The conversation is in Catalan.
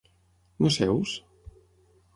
No seus?